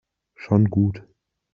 Schon gut.